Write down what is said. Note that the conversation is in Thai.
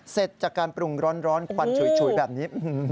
เสร็จจากการปรุงร้อนควันฉุยแบบนี้